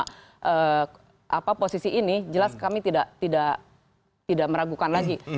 dan menang posisi ini jelas kami tidak meragukan lagi